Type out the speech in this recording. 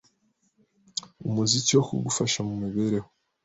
Umuziki ni wo wagufashaga mu mibereho